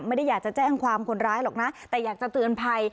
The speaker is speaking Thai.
ไม่ได้อยากจะแจ้งความคนร้ายหรอกนะแต่อยากจะเตือนภัย